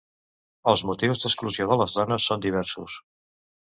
Els motius d'exclusió de les dones són diversos.